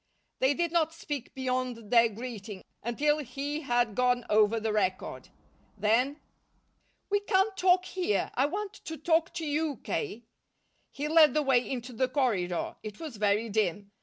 They did not speak beyond their greeting, until he had gone over the record. Then: "We can't talk here. I want to talk to you, K." He led the way into the corridor. It was very dim.